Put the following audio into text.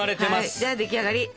じゃあ出来上がり！